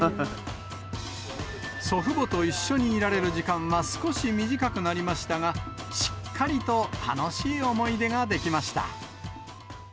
祖父母と一緒にいられる時間は少し短くなりましたが、しっかりと楽しい思い出ができました。